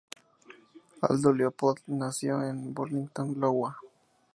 Aldo Leopold nació en Burlington, Iowa.